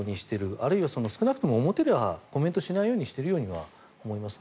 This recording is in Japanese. あるいは少なくとも表ではコメントしないようにしているようには思いますね。